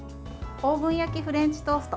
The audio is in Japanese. オーブン焼きフレンチトースト